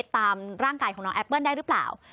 ตามร่างกายของน้องแอปเปิ้ลได้หรือเปล่า